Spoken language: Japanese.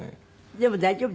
でも大丈夫。